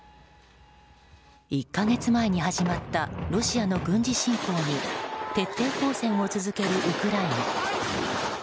１か月前に始まったロシアの軍事侵攻に徹底抗戦を続けるウクライナ。